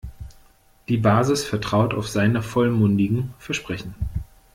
Die Basis vertraut auf seine vollmundigen Versprechen.